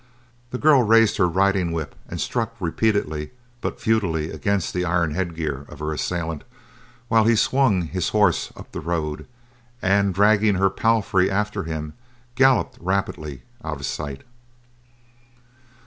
The girl raised her riding whip and struck repeatedly but futilely against the iron headgear of her assailant while he swung his horse up the road, and, dragging her palfrey after him, galloped rapidly out of sight.